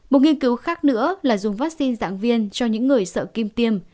một nghiên cứu khác nữa là dùng vaccine dạng viên cho những người sợ kim tiêm